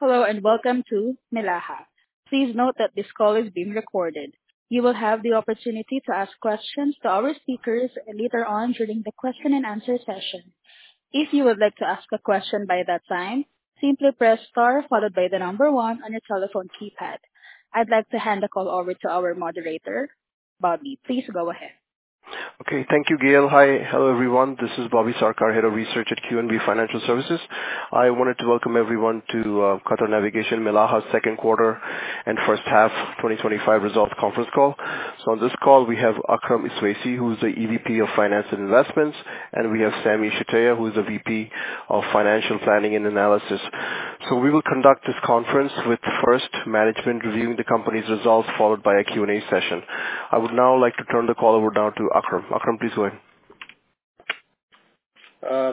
Hello and welcome to Milaha. Please note that this call is being recorded. You will have the opportunity to ask questions to our speakers later on during the question and answer session. If you would like to ask a question by that time, simply press star followed by the number one on your telephone keypad. I'd like to hand the call over to our moderator, Bobby. Please go ahead. Okay, thank you. Hi. Hello everyone. This is Bobby Sarkar, Head of Research at QNB Financial Services. I wanted to welcome everyone to Qatar. Navigation Milaha Second Quarter and First Half 2025 Results Conference Call. On this call we have Akram Iswaisi, who is the EVP of Finance and Investments, and we have Sami Shtayyeh, who is the VP of Financial Planning and Analysis. We will conduct this conference with first management reviewing the company's results, followed by a Q and A session. I would now like to turn the call over to Akram. Akram, please go ahead.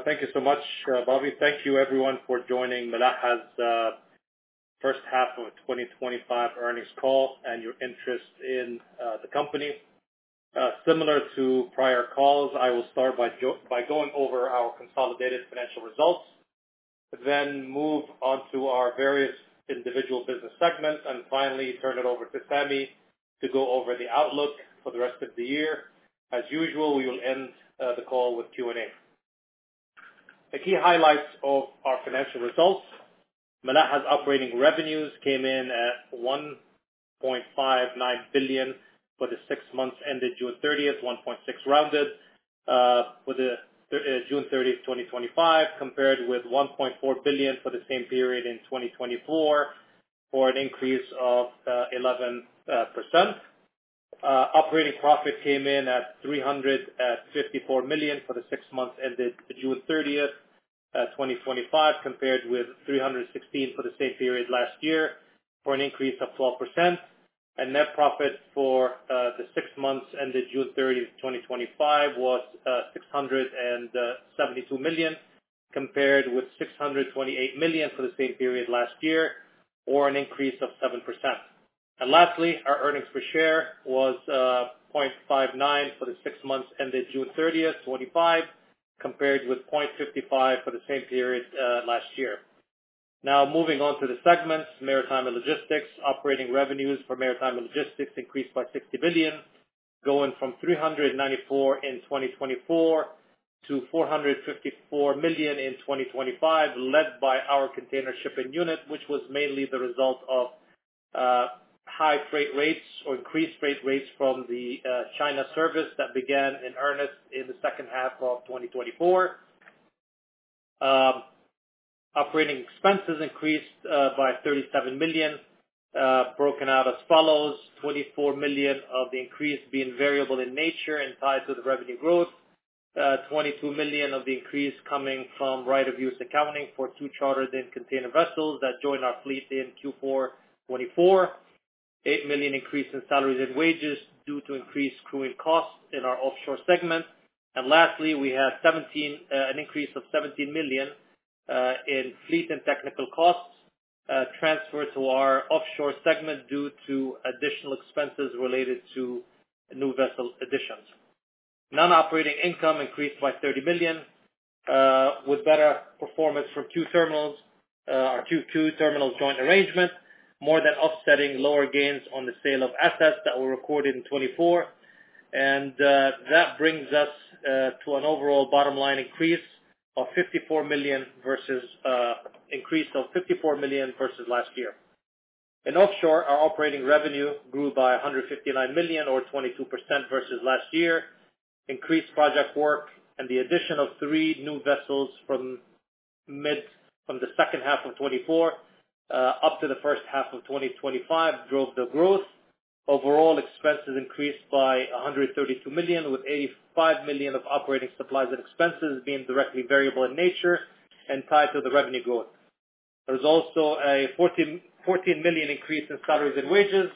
Thank you so much, Bobby. Thank you everyone for joining. Milaha's first half of 2025 Earnings Call and your interest in the company. Similar to prior calls, I will start by going over our consolidated financial results, then move on to our various individual business segments and finally turn it over to Sami to go over the outlook for the rest of the year. As usual, we will end the call with Q and A. The key highlights of our financial results: Milaha's operating revenues came in at 1.59 billion for the six months ended June 30th, 1.6 billion rounded for June 30, 2025, compared with 1.4 billion for the same period in 2024, for an increase of 11%. Operating profit came in at 354 million for the six months ended June 30th, 2025, compared with 316 million for the same period last year, for an increase of 12%. Net profit for the six months ended June 30, 2025 was 672 million, compared with 628 million for the same period last year, or an increase of 7%. Lastly, our earnings per share was 0.59 for the six months ended June 30, 2025, compared with 0.55 for the same period last year. Now moving on to the segments. Maritime & Logistics: Operating revenues for Maritime & Logistics increased by 60 million, going from 394 million in 2024 to 454 million in 2025, led by our container shipping unit, which was mainly the result of high freight rates or increased freight rates from the China service that began in earnest in the second half of 2024. Operating expenses increased by 37 million, broken out as follows: 24 million of the increase being variable in nature and tied to the revenue growth, 22 million of the increase coming from right of use accounting for two chartered-in container vessels that joined our fleet in Q4 2024, 8 million increase in salaries and wages due to increased crewing costs in our offshore segment, and lastly, we had an increase of 17 million in fleet and technical costs transferred to our offshore segment due to additional expenses related to new vessel additions. Non-operating income increased by 30 million, with better performance from QTerminals, our QTerminals joint arrangement, more than offsetting lower gains on the sale of assets that were recorded in 2024. That brings us to an overall bottom line increase of 54 million versus last year. In Offshore, our operating revenue grew by 159 million or 22% versus last year. Increased project work and the addition of three new vessels from the second half of 2024 up to the first half of 2025 drove the growth. Overall expenses increased by 132 million, with 85 million of operating supplies and expenses being directly variable in nature and tied to the revenue growth. There is also a 14 million increase in salaries and wages,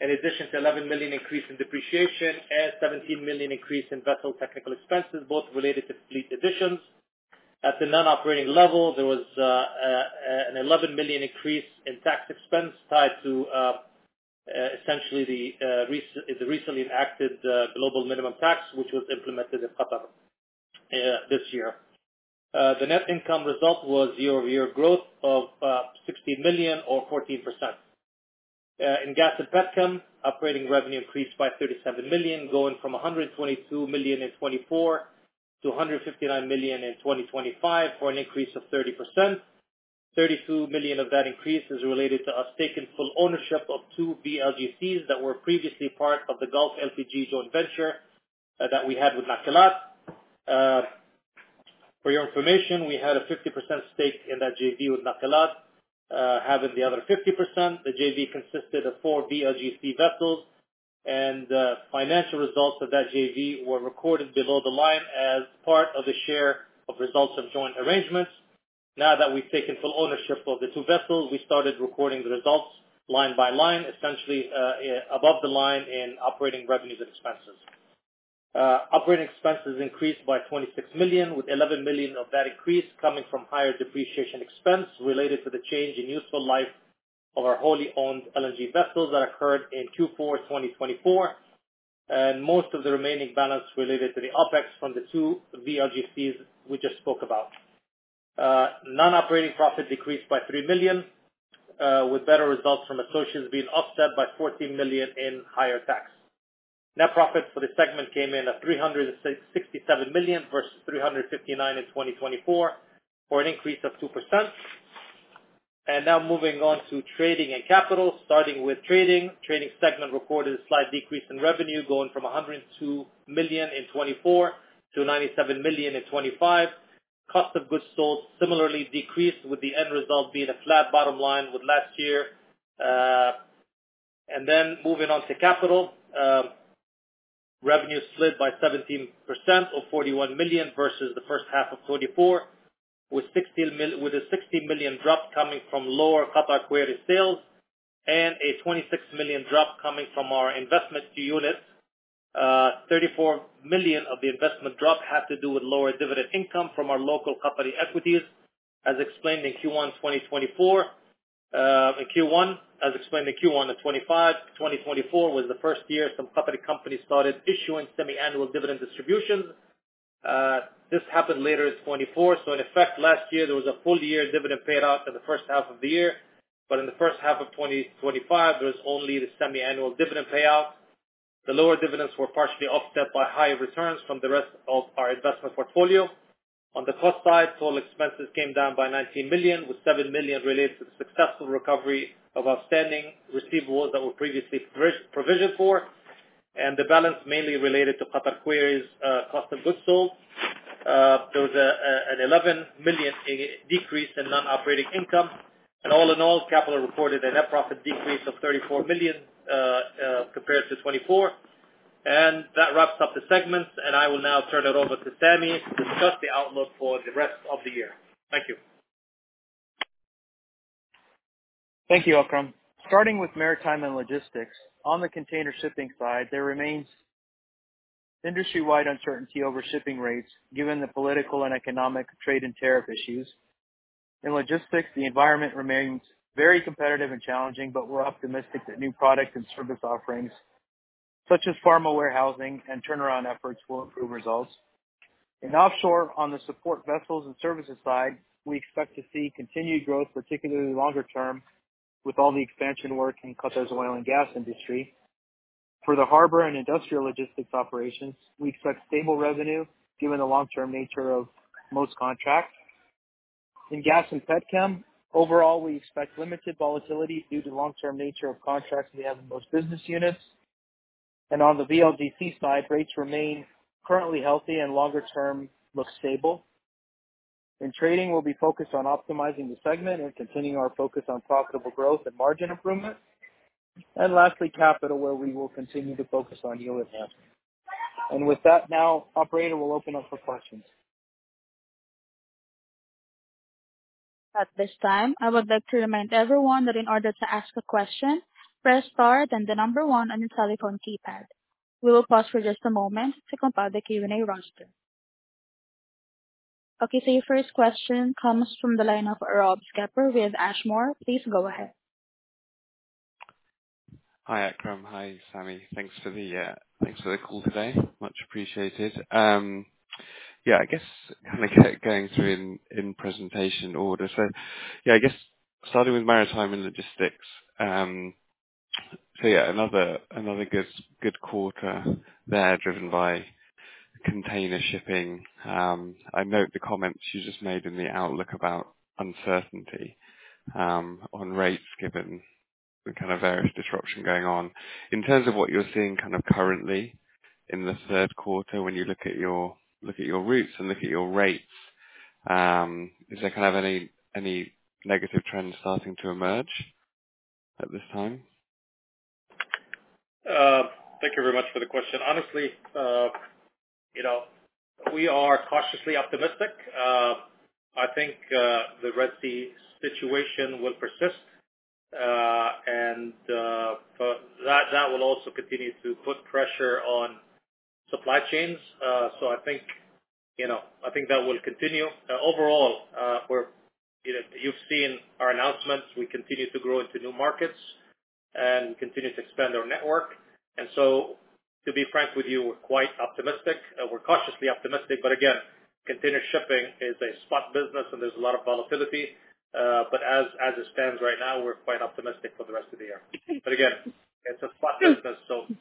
in addition to an 11 million increase in depreciation and a 17 million increase in vessel technical expenses, both related to fleet additions. At the non-operating level, there was an 11 million increase in tax expense tied to essentially the recently enacted global minimum tax, which was implemented in Qatar this year. The net income result was year-over-year growth of 60 million or 14% in Gas & Petrochem. Operating revenue increased by 37 million, going from 122 million in 2024 to 159 million in 2025 for an increase of 30%. 32 million of that increase is related to us taking full ownership of two VLGCs that were previously part of the Gulf LPG joint venture that we had with Nakilat. For your information, we had a 50% stake in that JV, with Nakilat having the other 50%. The JV consisted of four VLGC vessels, and financial results of that JV were recorded below the line as part of the share of results of joint arrangements. Now that we've taken full ownership of the two vessels, we started recording the results line by line, essentially above the line in operating revenues and expenses. Operating expenses increased by 26 million, with 11 million of that increase coming from higher depreciation expense related to the change in useful life of our wholly owned LNG vessels that occurred in Q4 2024, and most of the remaining balance related to the OpEx from the two VLGCs we just spoke about. Non-operating profit decreased by 3 million, with better results from associates being offset by 14 million in higher tax. Net profit for the segment came in at 367 million versus 359 million in 2024 for an increase of 2%. Now moving on to Trading and Capital, starting with Trading, the Trading segment reported a slight decrease in revenue, going from 102 million in 2024 to 97 million in 2025. Cost of goods sold similarly decreased, with the end result being a flat bottom line with last year and then Moving on to Capital, revenue slid by 17% or 41 million versus the first half of 2024, with a 60 million drop coming from lower Qatar Quarries sales and a 26 million drop coming from our investment units. 34 million of the investment drop had to do with lower dividend income from our local company equities as explained in Q1 2024. In Q1, as explained in Q1 of 2025, 2024 was the first year some companies started issuing semiannual dividend distributions. This happened later in 2024. In effect, last year there was a full year dividend paid out in the first half of the year, but in the first half of 2025 there's only the semiannual dividend payout. The lower dividends were partially offset by higher returns from the rest of our investment portfolio. On the cost side, total expenses came down by 19 million, with 7 million related to the successful recovery of outstanding receivables that were previously provisioned for, and the balance mainly related to Qatar Quarries' cost of goods sold. There was an 11 million decrease in non-operating income, and all in all, Capital recorded a net profit decrease of 34 million compared to 2024. That wraps up the segments, and I will now turn it over to Sami to discuss the outlook for the rest of the year. Thank you. Thank you, Akram. Starting with Maritime & Logistics, on the container shipping side, there remains industry-wide uncertainty over container shipping rates given the political and economic trade and tariff issues. In logistics, the environment remains very competitive and challenging, but we're optimistic that new product and service offerings such as pharma warehousing and turnaround efforts will improve results. In Offshore, on the support vessels and services side, we expect to see continued growth, particularly longer term with all the expansion work in Qatar's oil and gas industry. For the harbor and industrial logistics operations, we expect stable revenue given the long-term nature of most contracts. In Gas & Petrochem, overall we expect limited volatility due to the long-term nature of contracts we have in most business units. On the VLGC side, rates remain currently healthy and longer term look stable. In Trading, we'll be focused on optimizing the segment and continuing our focus on profitable growth and margin improvement. Lastly, in Capital, we will continue to focus on yield. With that, now the operator will open up for questions. At this time I would like to remind everyone that in order to ask a question we press star then the number one on your telephone keypad. We will pause for just a moment to compile the Q&A roster. Okay, your first question comes from the line of Rob Skepper with Ashmore. Please go ahead. Hi Akram. Hi Sami. Thanks for the, thanks for the call today. Much appreciated. I guess kind of going through in presentation order. I guess starting with Maritime & Logistics. Another good quarter there driven by container shipping. I note the comments you just made in the outlook about uncertainty on rates given the kind of various disruption going on in terms of what you're seeing currently in the third quarter. When you look at your routes and look at your rates, is there any negative trends starting to emerge at this time? Thank you very much for the question. Honestly, we are cautiously optimistic. I think the Red Sea situation will persist, and that will also continue to put pressure on supply chains. I think that will continue overall. Where you've seen our announcements, we continue to grow into new markets and continue to expand our network. To be frank with you, we're quite optimistic. We're cautiously optimistic. Continuous shipping is a spot business, and there's a lot of volatility. As it stands right now, we're quite optimistic for the rest of the year. It's a flat business, and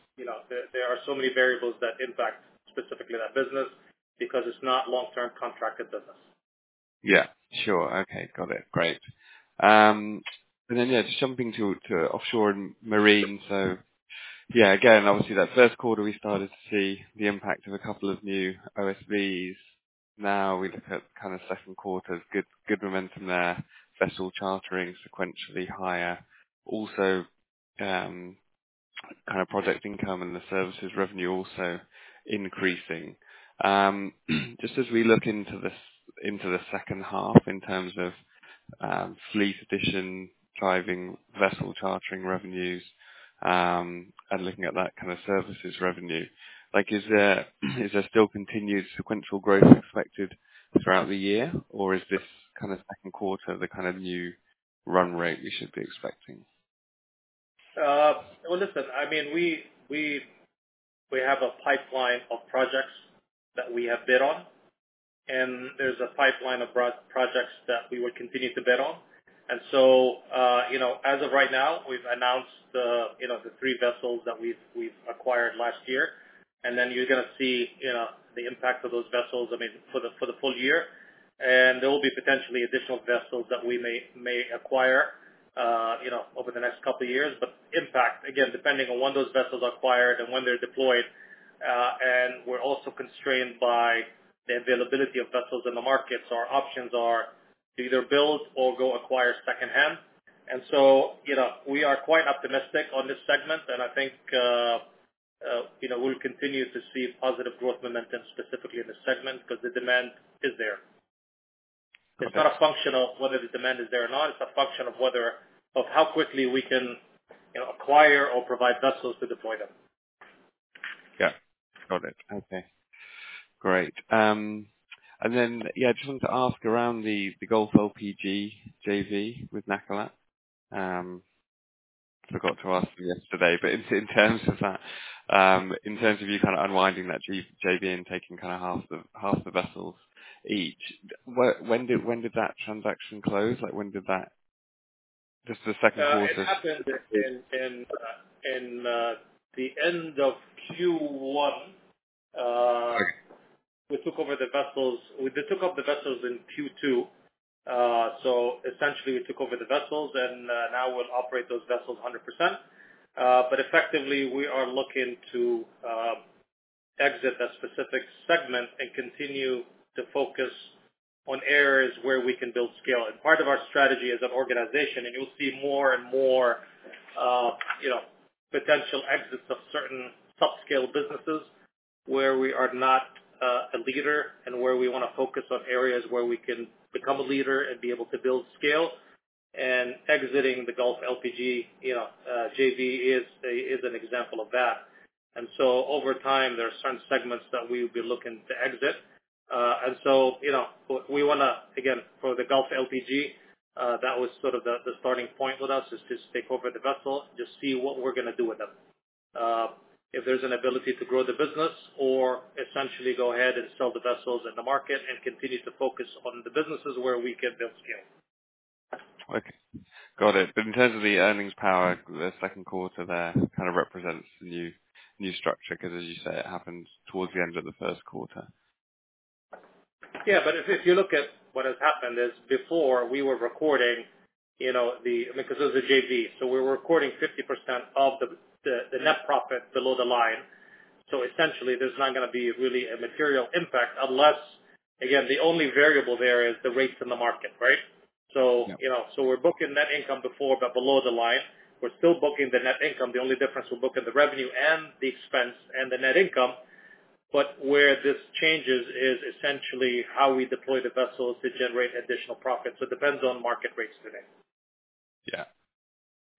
there are so many variables that impact specifically that business because it's not long-term contracted business. Yeah, sure. Okay, got it. Great. Just jumping to offshore and marine, obviously that first quarter we started to see the impact of a couple of new OSVs. Now we look at kind of second quarter, good momentum there, vessel chartering sequentially higher, also kind of project income and the services revenue also increasing. As we look into the second half in terms of fleet addition driving vessel chartering revenues and looking at that kind of services revenue, is there still continued sequential growth expected throughout the year or is this kind of second quarter the new run rate we should be expecting? We have a pipeline of projects that we have bid on and there's a pipeline of projects that we will continue to bid on. As of right now, we've announced the three vessels that we've acquired last year, and you're going to see the impact of those vessels for the full year. There will be potentially additional vessels that we may acquire over the next couple of years, but impact again, depending on when those vessels are acquired and when they're deployed. We're also constrained by the availability of vessels in the market. Our options are either build or go acquire secondhand. We are quite optimistic on this segment and I think we'll continue to see positive growth momentum, specifically in the segment, because the demand is there. It's not a function of whether the demand is there or not. It's a function of how quickly we can acquire or provide vessels to deploy them. Yeah, got it. Okay, great. I just wanted to ask around the Gulf LPG JV with Nakilat, forgot to ask them yesterday. In terms of that, in terms of you kind of unwinding that JV and taking kind of half the vessels each, when did that transaction close? Like, when did that, just the second quarter. At the end of Q1, we took over the vessels. They took up the vessels in Q2, so essentially we took over the vessels and now we'll operate those vessels 100%. Effectively, we are looking to exit a specific segment and continue to focus on areas where we can build scale as part of our strategy as an organization. You'll see more and more potential exits of certain subscale businesses where we are not a leader and where we want to focus on areas where we can become a leader and be able to build scale. Exiting the Gulf LPG JV is an example of that. Over time, there are certain segments that we would be looking to exit. For the Gulf LPG, that was sort of the starting point with us, to take over the vessel, just see what we're going to do with them, if there's an ability to grow the business or essentially go ahead and sell the vessels in the market and continue to focus on the businesses where we can build scale. Okay, got it. In terms of the earnings power, the second quarter kind of represents the new structure because, as you say, it happened towards the end of the first quarter. If you look at what has happened, before we were recording, you know, because it was a JV, we were recording 50% of the net profit below the line. Essentially, there's not going to be really a material impact unless, again, the only variable there is the rates in the market. We're booking net income before, but below the line we're still booking the net income. The only difference is we're booking the revenue and the expense and the net income. Where this changes is essentially how we deploy the vessels to generate additional profits. It depends on market rates today.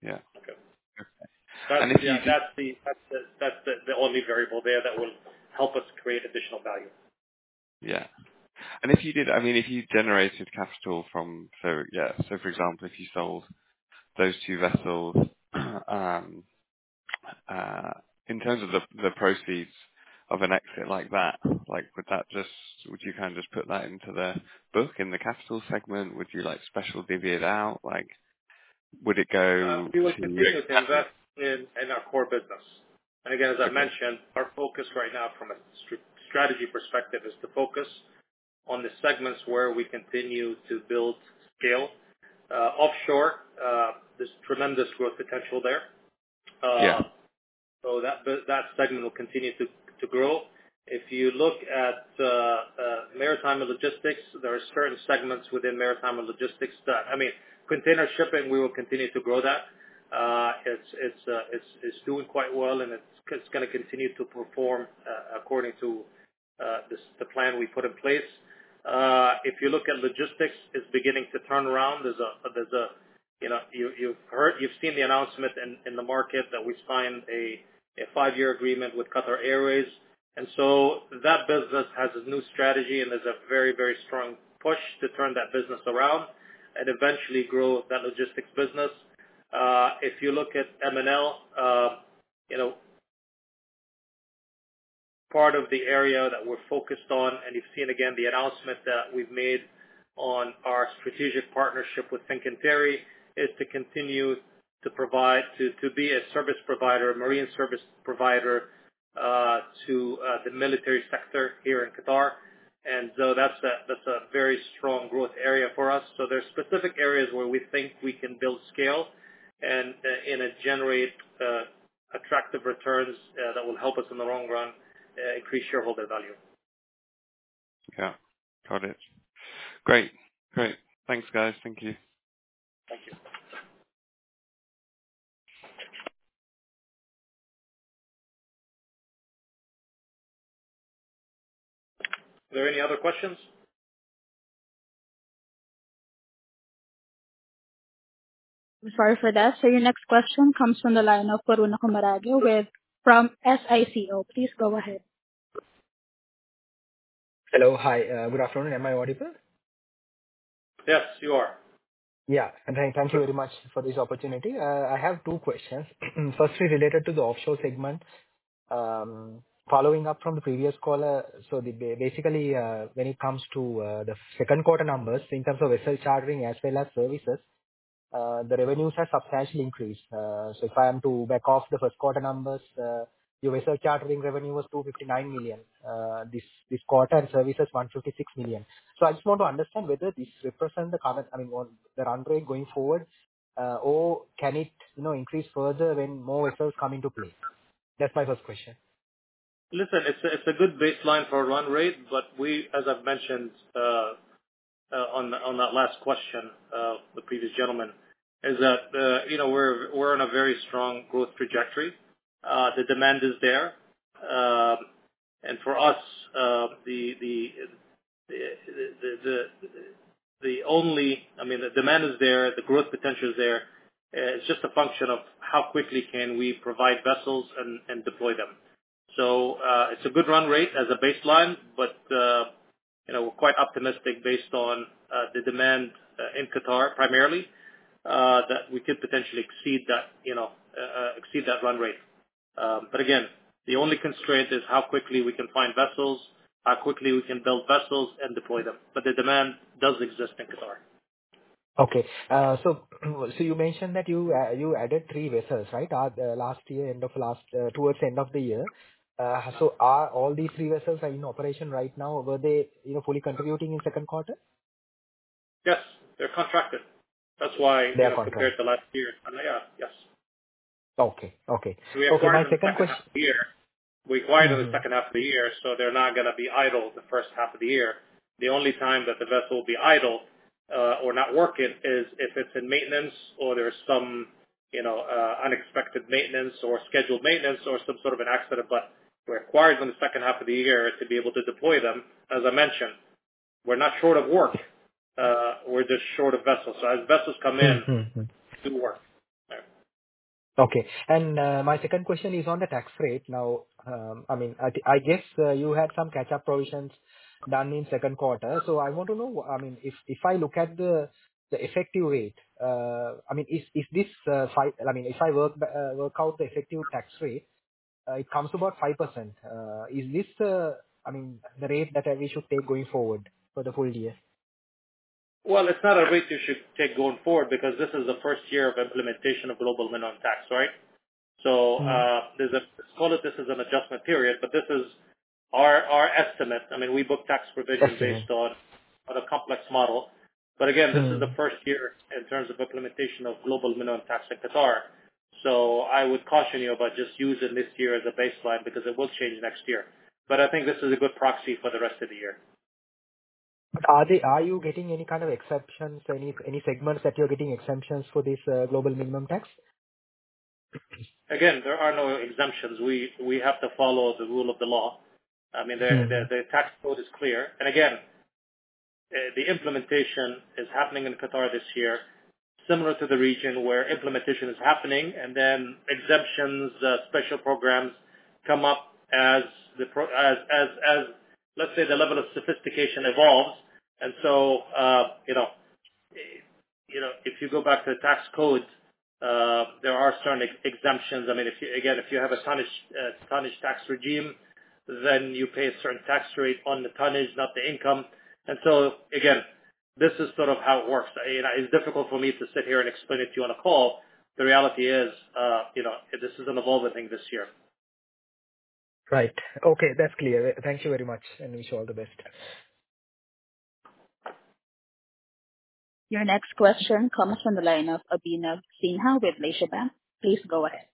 Okay. That's the only variable there that will help us create additional value. Yeah, if you did, I mean if you generated capital from, for example, if you sold those two vessels in terms of the proceeds of an exit like that, would you just put that into the book in the capital segment? Would you like special divvy it out? Would it go? In our core business? As I mentioned, our focus right now from a strategy perspective is to focus on the segments where we continue to build scale offshore. There's tremendous growth potential there. Yeah. That segment will continue to grow. If you look at Maritime & Logistics, there are certain segments within maritime and logistics that, I mean container shipping, we will continue to grow that. It's doing quite well, and it's going to continue to perform according to the plan we put in place. If you look at logistics, it's beginning to turn around. You've seen the announcement in the market that we signed a five-year agreement with Qatar Airways. That business has a new strategy, and there's a very, very strong push to turn that business around and eventually grow that logistics business. If you look at M&L, part of the area that we're focused on, and you've seen again the announcement that we've made on our strategic partnership with Fincantieri, is to continue to provide, to be a service provider, marine service provider to the military sector here in Qatar. That's a very strong growth area for us. There are specific areas where we think we can build scale and generate attractive returns that will help us in the long run increase shareholder value. Got it. Great, great. Thanks, guys. Thank you. Thank you. Are there any other questions? Sorry for that. Your next question comes from the line [inaudible] of from SICO, please go ahead. Hello. Hi, good afternoon. Am I audible? Yes, you are. Yeah. Thank you very much for this opportunity. I have two questions, firstly related to the offshore segment, following up from the previous caller. When it comes to the second quarter numbers in terms of vessel chartering as well as services, the revenues have substantially increased. If I am to back off the first quarter numbers, chartering revenue was 259 million this quarter and services 156 million. I just want to understand whether this represents the current, I mean the run rate going forward or can it increase further when more vessels come into play? That's my first question. Listen, it's a good baseline for run rate. As I've mentioned on that last question, the previous gentleman, we're on a very strong growth trajectory. The demand is there and for us the only, I mean the demand is there, the growth potential is there. It's just a function of how quickly can we provide vessels and deploy them. It's a good run rate as a baseline. We're quite optimistic based on the demand in Qatar primarily that we could potentially exceed that, exceed that run rate. The only constraint is how quickly we can find vessels, how quickly we can build vessels and deploy them. The demand does exist in Qatar. Okay, you mentioned that you added three vessels last year, towards the end of the year. Are all these three vessels in operation right now? Were they fully contributing in the second quarter? Yes, they're contracted. That's why they're contracted to last year. Yeah. Yes. Okay. Okay. My second question required in the second half of the year. They're not going to be idle the first half of the year. The only time that the vessel will be idle or not working is if it's in maintenance or there's some unexpected maintenance or scheduled maintenance or some sort of an accident. We're required in the second half of the year to be able to deploy them. As I mentioned, we're not short of work, we're just short of vessels. As vessels come in, we do work. Okay, my second question is on the tax rate now. I guess you had some catch up provisions done in the second quarter. I want to know, if I look at the effective rate, if I work out the effective tax rate, it comes about 5%. Is this the rate that we should take going forward for the. Full year, it's not a rate you should take going forward because this is the first year of implementation of global minimum tax, right? Call this an adjustment period. This is our estimate. I mean, we book tax provision based on a complex model. Again, this is the first year in terms of implementation of global minimum tax at Qatar. I would caution you about just using this year as a baseline because it will change next year. I think this is a good proxy for the rest of the year. Are you getting any kind of exceptions, any segments that you're getting exemptions for this global minimum tax? There are no exemptions. We have to follow the rule of the law. The tax code is clear. The implementation is happening in Qatar this year, similar to the region where implementation is happening. Exemptions and special programs come up as the level of sophistication evolves. If you go back to the tax code, there are certain exemptions. If you have a tonnage tax regime, then you pay a certain tax rate on the tonnage, not the income. This is sort of how it works. It's difficult for me to sit here and explain it to you on a call. The reality is this is an evolving thing this year. Right. Okay, that's clear. Thank you very much and wish you all the best. Your next question comes from the line of Abhinav Sinha with Lesha Bank. Please go ahead.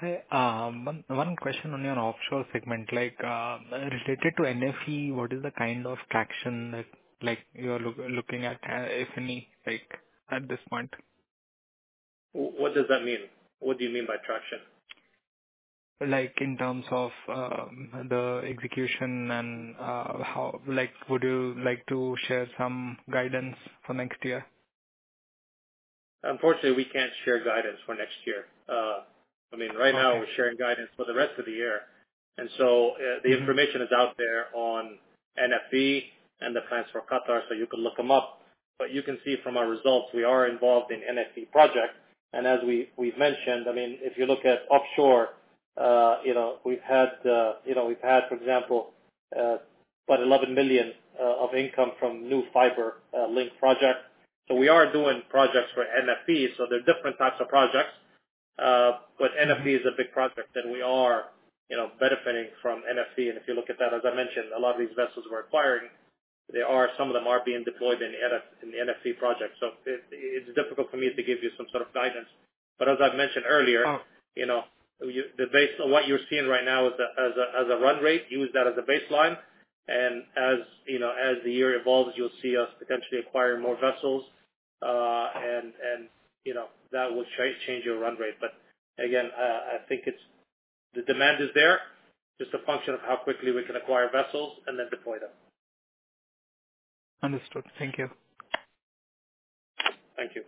Hi, one question. On your offshore segment, like related to NFE, what is the kind of traction? That, like, you are looking at, if any, like at this point what does that mean? What do you mean by traction? In terms of the execution and how, would you like to share some guidance for next year? Unfortunately, we can't share guidance for next year. I mean, right now we're sharing guidance for the rest of the year. The information is out there on NFE and the plans for Qatar. You can look them up. You can see from our results, we are involved in NFE projects. As we've mentioned, if you look at offshore, we've had, for example, about 11 million of income from the new fiber link project. We are doing projects for NFE. There are different types of projects. NFE is a big project that we are benefiting from NFE. If you look at that, as I mentioned, a lot of these vessels we're acquiring, some of them are being deployed in the NFE project. It's difficult for me to give you some sort of guidance. As I mentioned earlier, the base, what you're seeing right now as a run rate, use that as a baseline. As the year evolves, you'll see us potentially acquiring more vessels and that will change your run rate. I think the demand is there, just a function of how quickly we can acquire vessels and then deploy them. Understood, thank you. Thank you.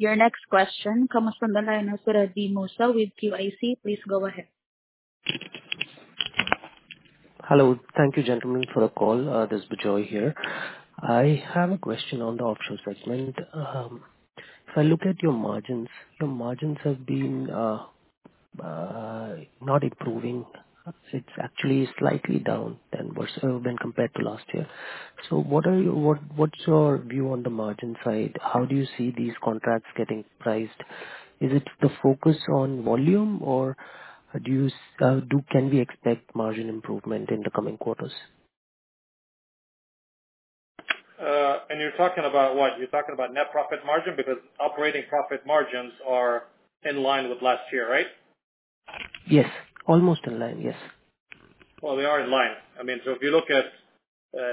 Your next question comes from the line of Moussa with QIC. Please go ahead. Hello. Thank you, gentlemen, for the call. This is Bijoy here. I have a question on the offshore segment. If I look at your margins, your margins have been not improving. It's actually slightly down when compared to last year. What are you, what's your view on the margin side? How do you see these contracts getting priced? Is it the focus on volume or do you. Can we expect margin improvement in the coming quarters? You're talking about net profit margin because operating profit margins are in line with last year, right? Yes, almost in line. Yes. They are in line. I mean, if you look at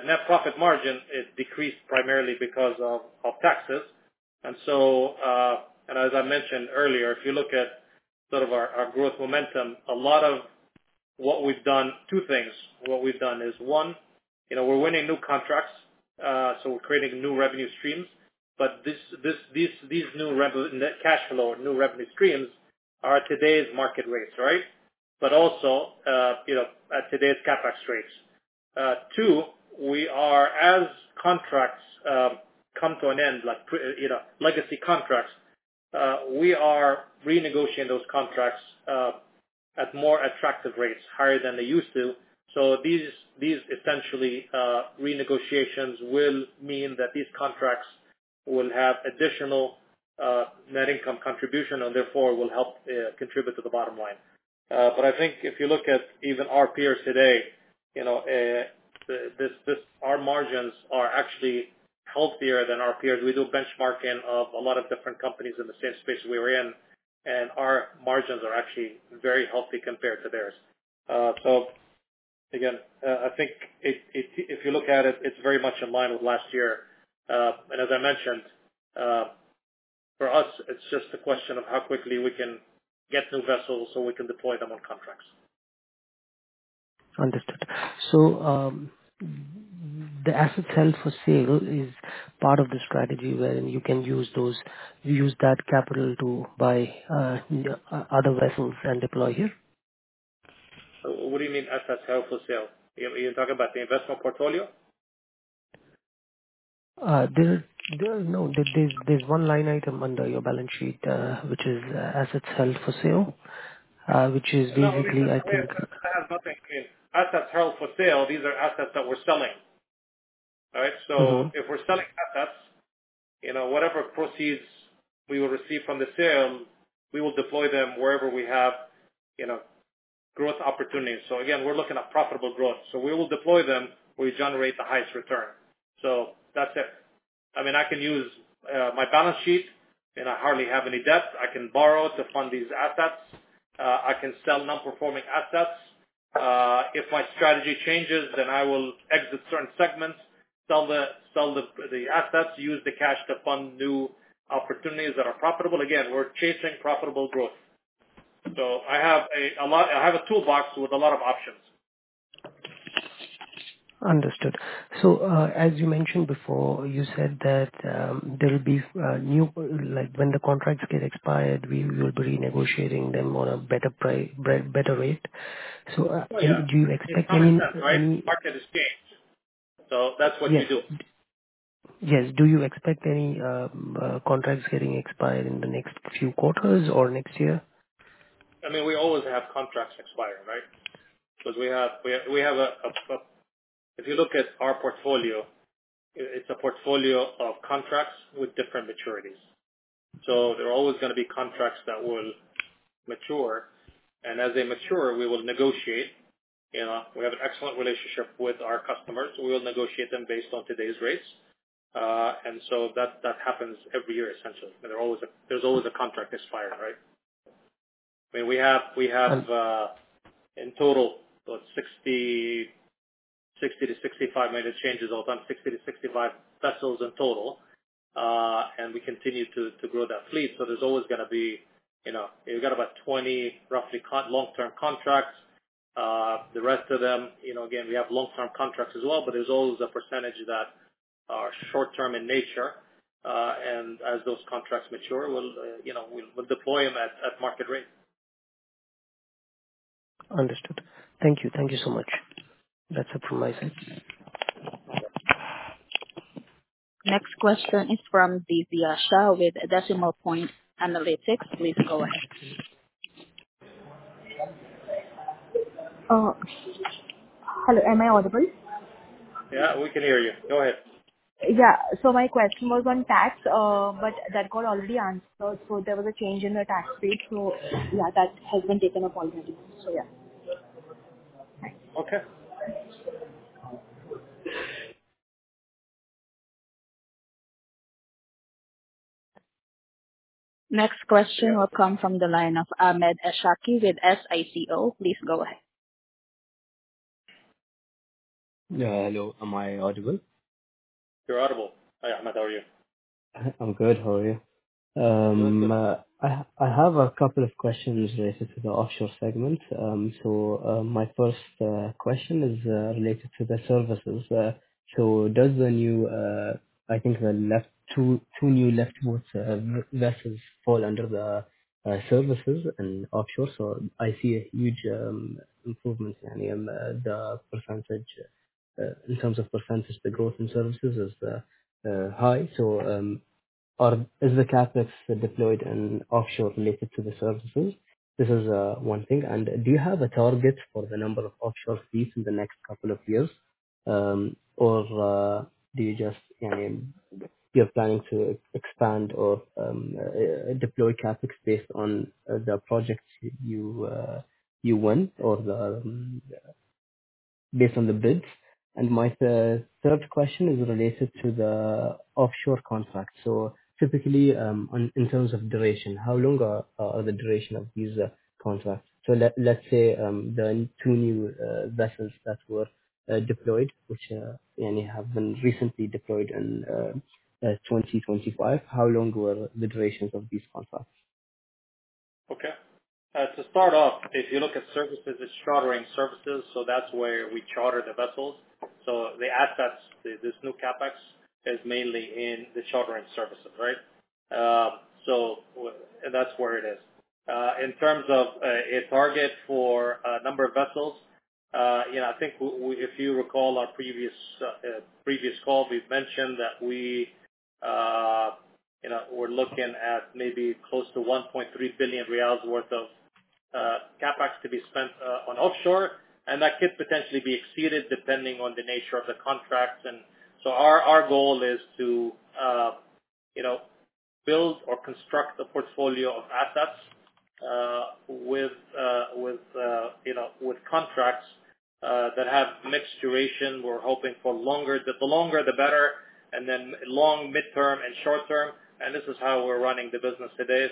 net profit margin, it decreased primarily because of taxes. As I mentioned earlier, if you look at sort of our growth momentum, a lot of what we've done, two things, what we've done is, one, you know, we're winning new contracts, so we're creating new revenue streams. These new revenue, net cash flow, new revenue streams are at today's market rates, right, but also at today's CapEx rates. Two, we are as contracts come to an end, like legacy contracts, we are renegotiating those contracts at more attractive rates higher than they used to be. These essentially renegotiations will mean that these contracts will have additional net income contribution and therefore will help contribute to the bottom line. I think if you look at even our peers today, our margins are actually healthier than our peers. We do benchmarking of a lot of different companies in the same space we are in, and our margins are actually very healthy compared to theirs. I think if you look at it, it's very much in line with last year. As I mentioned, for us, it's just a question of how quickly we can get new vessels so we can deploy them on contracts. Understood. The asset held for sale is part of the strategy wherein you can use that capital to buy other vessels and deploy here. What do you mean assets held for sale? You're talking about the investment portfolio. There's one line item under your balance sheet which is assets held for sale. Which is basically, I think, assets held for sale. These are assets that we're selling. If we're selling assets, whatever proceeds we will receive from the sale, we will deploy them wherever we have growth opportunities. Again, we're looking at profitable growth. We will deploy them where we generate the highest return. That's it. I can use my balance sheet and I hardly have any debt. I can borrow to fund these assets. I can sell nonperforming assets. If my strategy changes, then I will exit certain segments, sell the assets, use the cash to fund new opportunities that are profitable. Again, we're chasing profitable growth. I have a lot, I have a toolbox with a lot of options. Understood. As you mentioned before, you said that there will be new, like when the contracts get expired, we will be renegotiating them on a better, better rate. Do you expect any market. That's what you do? Yes. Do you expect any contracts getting expired in the next few quarters or next year? We always have contracts expiring, right? Because if you look at our portfolio, it's a portfolio of contracts with different maturities. There are always going to be contracts that will mature, and as they mature, we will negotiate. We have an excellent relationship with our customers. We will negotiate them based on today's rates. That happens every year. Essentially, there's always a contract expired. Right. We have in total 60 to 65 vessels in total and we continue to grow that fleet. There's always going to be, you know, you've got about 20 roughly long-term contracts. The rest of them, you know, again we have long-term contracts as well, but there's always a percentage that are short-term in nature. As those contracts mature, we'll, you know, we'll deploy them at market rate. Understood. Thank you. Thank you so much. That's it from my side. Next question is from Bibi Aisha with Decimal Point Analytics. Please go ahead. Hello, am I audible? Yeah, we can hear you. Go ahead. Yeah, my question was on tax, but that got already answered. There was a change in the tax page. That has been taken up already. Okay. Next question will come from the line of Ahmed Ashaki with SICO. Please go ahead. Hello. Am I audible? You're audible. Hi Ahmed, how are you? I'm good. How are you? I have a couple of questions related to the offshore segment. My first question is related to the services. Do the two new lift boats vessels fall under the services and offshore? I see a huge improvement in them. The percentage, in terms of percentage, the growth in services is high. Is the CapEx deployed in offshore related to the services? This is one thing. Do you have a target for the number of offshore fleets in the next couple of years, or are you planning to expand or deploy CapEx based on the projects you win or based on the bids? My third question is related to the offshore contract. Typically, in terms of duration, how long are the duration of these contracts? Let's say the two new vessels that were deployed, which have been recently deployed in 2025, how long were the durations of these contracts? Okay, to start off, if you look at services, it's chartering services. That's where we charter the vessels. The assets, this new CapEx is mainly in the chartering services. Right. That's where it is in terms of a target for a number of vessels. I think if you recall our previous call, we've mentioned that we're looking at maybe close to 1.3 billion riyals worth of CapEx to be spent on offshore and that could potentially be exceeded depending on the nature of the contracts. Our goal is to build or construct the portfolio of assets with contracts that have mixed duration. We're hoping for longer, the longer the better, and then long, midterm, and short-term. This is how we're running the business today.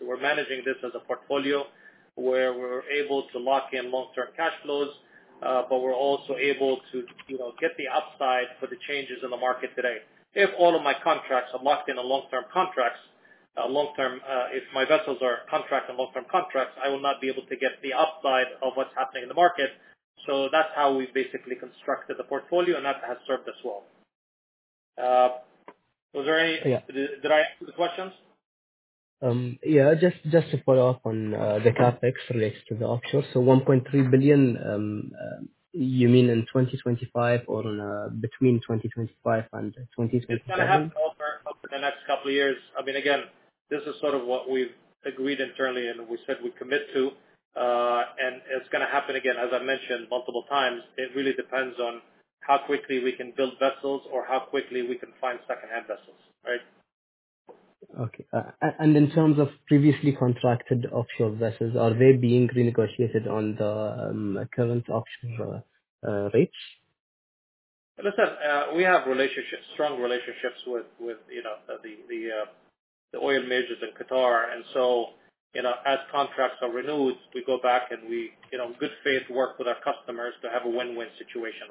We're managing this as a portfolio where we're able to lock in long-term cash flows, but we're also able to get the upside for the changes in the market today. If all of my contracts are locked in long-term contracts, if my vessels are contracted in long-term contracts, I will not be able to get the upside of what's happening in the market. That's how we basically constructed the portfolio and that has served us well. Was there any—did I answer the questions? Just to follow up on, the CapEx relates to the offshore. 1.3 billion, you mean in 2025 or between 2025 and 2020? It's going to happen over the next couple of years. I mean, again, this is sort of what we've agreed internally and we said we commit to, and it's going to happen, again, as I mentioned multiple times. It really depends on how quickly we can build vessels or how quickly we can find secondhand vessels. Right, okay. In terms of previously contracted offshore vessels, are they being renegotiated on the current offshore rates? We have strong relationships with the oil majors in Qatar. As contracts are renewed, we go back and in good faith work with our customers to have a win-win situation.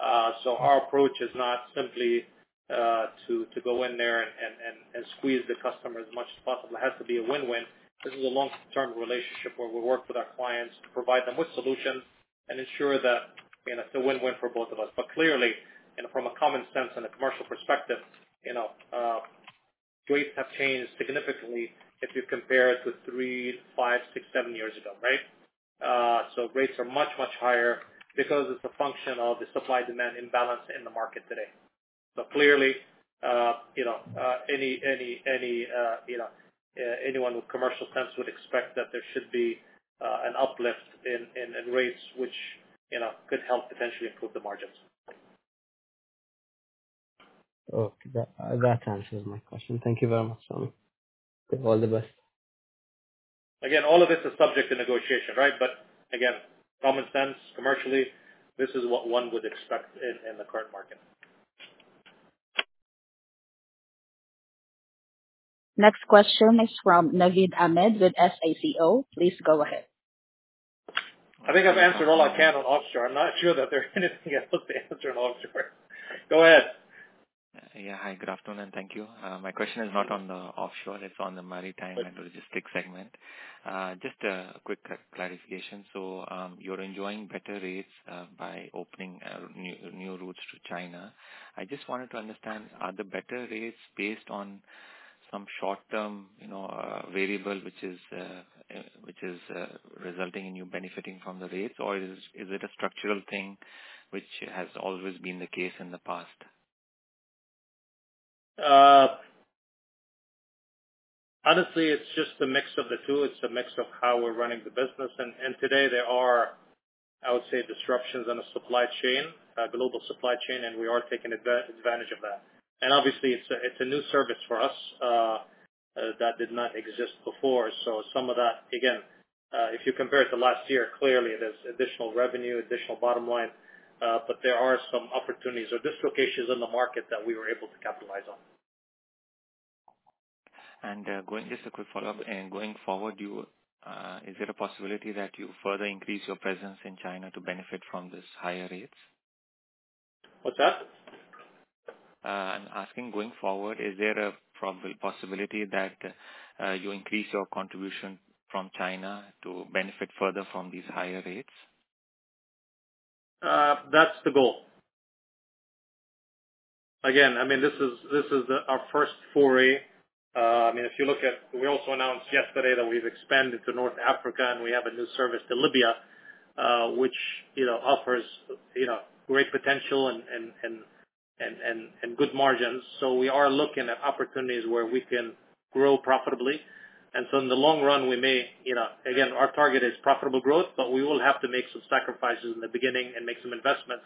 Our approach is not simply to go in there and squeeze the customer as much as possible. It has to be a win-win. This is a long-term relationship where we work with our clients to provide them with solutions and ensure that it's a win-win for both of us. Clearly, from a common sense and a commercial perspective, rates have changed significantly. If you compare it to three, five, six, seven years ago. Right. Rates are much, much higher because it's a function of the supply demand imbalance in the market today. Clearly, you know, anyone with commercial sense would expect that there should be an uplift in rates which could help potentially improve the margins. Okay, that answers my question. Thank you very much. All the best. Again, all of this is subject to negotiation, right? Again, common sense, commercially, this is what one would expect in the current market. Next question is from Naveed Ahmed with SICO. Please go ahead. I think I've answered all I can on offshore. I'm not sure that there's anything else to answer on offshore. Go ahead. Yeah, hi, good afternoon and thank you. My question is not on the offshore, it's on the Maritime & Logistics segment. Just a quick clarification. You're enjoying better rates by opening new routes to China. I just wanted to understand, are the better rates based on some short-term variable which is resulting in you benefiting from the rates, or is it a structural thing which has always been the case in the past? Honestly, it's just a mix of the two. It's a mix of how we're running the business. Today, there are, I would say, disruptions on the global supply chain, and we are taking advantage of that. Obviously, it's a new service for us that did not exist before. If you compare it to last year, clearly there's additional revenue, additional bottom line. There are some opportunities or dislocations in the market that we were able to capitalize on. Just a quick follow up. Going forward, is there a possibility that you further increase your presence in China to benefit from this higher rates? What's that? I'm asking, going forward, is there a possibility that you increase your contribution from China to benefit further from these higher rates. That's the goal. This is our first foray. If you look at, we also announced yesterday that we've expanded to North Africa and we have a new service to Libya, which offers great potential and good margins. We are looking at opportunities where we can grow profitably. In the long run, our target is profitable growth. We will have to make some sacrifices in the beginning and make some investments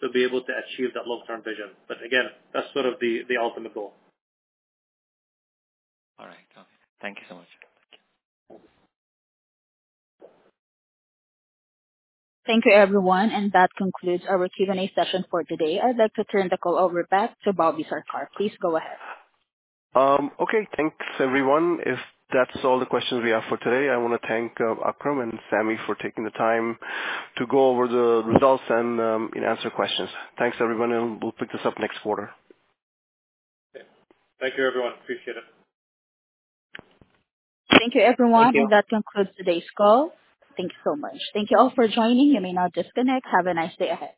to be able to achieve that long-term vision. That's the ultimate goal. All right, thank you so much. Thank you, everyone. That concludes our Q and A session for today. I'd like to turn the call over back to Bobby Sarkar, please. Go ahead. Okay. Thanks everyone. If that's all the questions we have for today, I want to thank Akram and Sami for taking the time to go over the results and answer questions. Thanks everyone. We'll pick this up next quarter. Thank you, everyone. Appreciate it. Thank you, everyone. That concludes today's call. Thank you so much. Thank you all for joining. You may now disconnect. Have a nice day ahead.